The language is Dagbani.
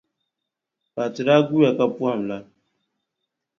Fati daa guuya ka pɔhim la,